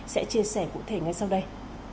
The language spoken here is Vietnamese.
sẽ chia sẻ cụ thể ngay sau đây